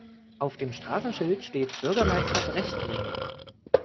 Auf dem Straßenschild steht Bürgermeister-Brecht-Ring.